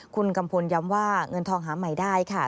คุณกัมพลย้ำว่าเงินทองหาใหม่ได้ค่ะ